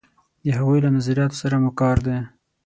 د هغوی له نظریاتو سره مو کار دی.